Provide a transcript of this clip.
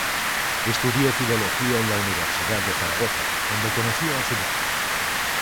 Estudió filología en la Universidad de Zaragoza, donde conoció a su mujer.